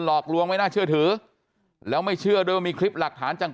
หลอกลวงไม่น่าเชื่อถือแล้วไม่เชื่อด้วยว่ามีคลิปหลักฐานจัง